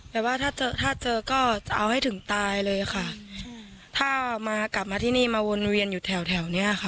แปลว่าถ้าเจอก็เอาให้ถึงตายเลยค่ะถ้ากลับมาที่นี่มาวนเวียนอยู่แถวเนี่ยค่ะ